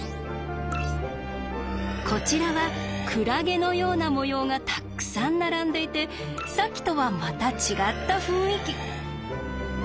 こちらはクラゲのような模様がたくさん並んでいてさっきとはまた違った雰囲気。